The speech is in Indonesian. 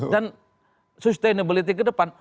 dan sustainability ke depan